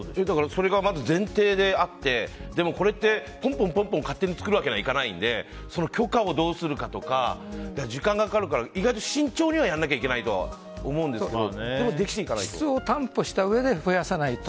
それが前提であってでもこれって、ポンポン勝手に作るわけにはいかないので許可をどうするかとか時間がかかるから意外と慎重にはやらなきゃいけないとは思いますけど。